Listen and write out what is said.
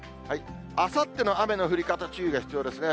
あさっての雨の降り方、注意が必要ですね。